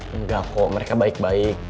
enggak kok mereka baik baik